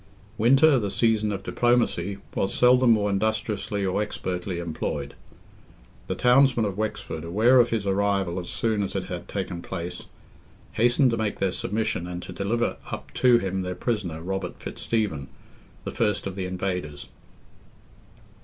Winter, the season of diplomacy, was seldom more industriously or expertly employed. The townsmen of Wexford, aware of his arrival as soon as it had taken place, hastened to make their submission and to deliver up to him their prisoner, Robert Fitzstephen, the first of the invaders.